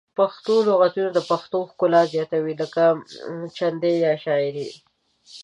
پښتو لغتونه د پښتو ښکلا زیاتوي لکه چندي یا شاعر